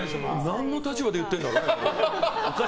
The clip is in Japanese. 何の立場で言ってるんだろうね。